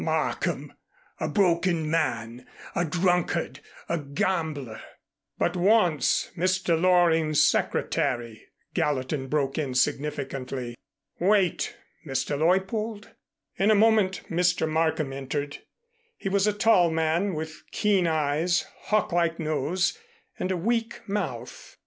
"Markham, a broken man, a drunkard, a gambler " "But once Mr. Loring's secretary," Gallatin broke in significantly. "Wait, Mr. Leuppold." In a moment Mr. Markham entered. He was a tall man, with keen eyes, hawklike nose and a weak mouth.